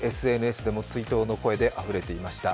ＳＮＳでも追悼の声であふれていました。